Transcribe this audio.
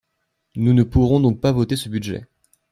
Nous ne pourrons donc pas voter ce budget.